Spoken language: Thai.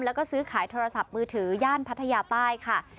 แล้วก็ซื้อขายโทรศัพท์มือถือย่านพัทยาใต้ค่ะ